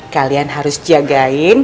kalian harus jagain